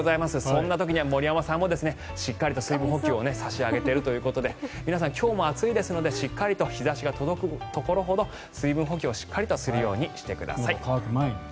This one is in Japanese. そんな時に森山さんもしっかりと水分補給を差し上げているということで皆さん、今日も暑いですのでしっかり日差しが届くところほど水分補給をしっかりするようにしてください。